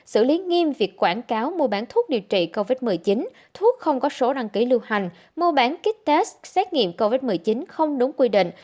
xử lý nghiêm việc quảng cáo mua bán thuốc điều trị covid một mươi chín thuốc không có số đăng ký lưu hành mua bán kích tết xét nghiệm covid một mươi chín không đúng quy định